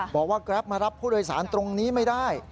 บอกว่ากราฟมารับผู้โดยสารตรงนี้ไม่ได้